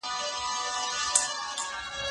زه اوږده وخت واښه راوړم وم!.